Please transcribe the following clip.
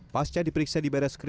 pasca diperiksa di baris krim